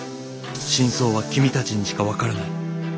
「真相は君たちにしかわからない」。